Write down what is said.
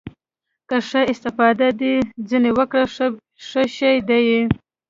که ښه استفاده دې ځنې وکړه ښه شى ديه.